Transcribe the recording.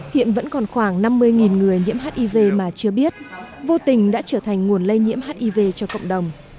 hiện vẫn còn khoảng năm mươi người nhiễm hiv mà chưa biết vô tình đã trở thành nguồn lây nhiễm hiv cho cộng đồng